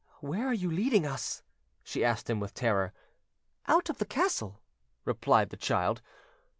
"Where are you leading us?" she asked him with terror. "Out of the castle," replied the child.